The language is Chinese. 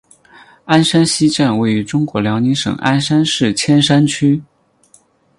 鞍山西站位于中国辽宁省鞍山市千山区。